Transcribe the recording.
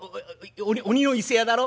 鬼のいせ屋だろ？